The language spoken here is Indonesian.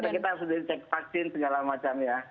kita sudah cek vaksin segala macam ya